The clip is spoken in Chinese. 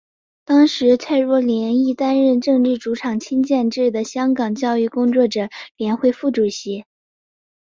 当时蔡若莲亦担任政治立场亲建制的香港教育工作者联会副主席。